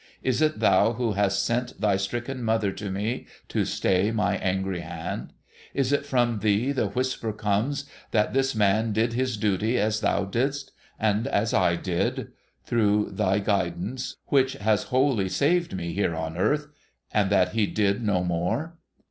Is it thou who hast sent thy stricken mother to me, to stay my angry hand ? Is it from thee the whisper comes, that this man did his duty as thou didst, — and as I did, through thy guidance, which has wholly saved me here on earth, — and that he did no more